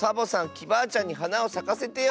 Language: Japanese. きバアちゃんにはなをさかせてよ！